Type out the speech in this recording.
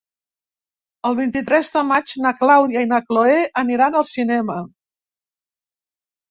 El vint-i-tres de maig na Clàudia i na Cloè aniran al cinema.